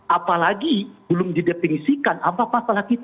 apalagi belum didefinisikan apa pasal kita